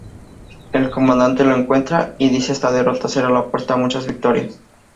El Comandante lo encuentra, y dice "esta derrota será la puerta a muchas victorias".